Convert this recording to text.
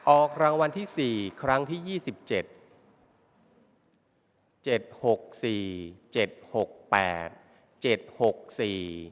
ออกรางวัลที่สี่ครั้งที่ยี่สิบสี่